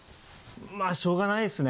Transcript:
まあしょうがないっすね。